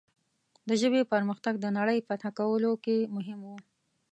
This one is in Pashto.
د ژبې پرمختګ د نړۍ فتح کولو کې مهم و.